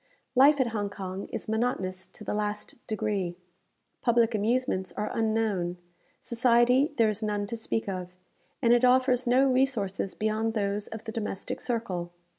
Life at Hong Kong is monotonous to the last degree. Public amusements are unknown; society there is none to speak of; and it offers no resources beyond those of the domestic circle.